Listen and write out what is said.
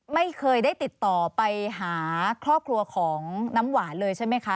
ไม่เคยได้ติดต่อไปหาครอบครัวของน้ำหวานเลยใช่ไหมคะ